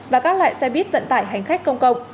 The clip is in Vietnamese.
và các loại xe bít vận tải hành khách công cộng